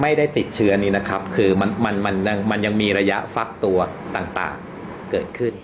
ไม่ได้ติดเชื้อนี้นะครับคือมันยังมีระยะฟักตัวต่างเกิดขึ้น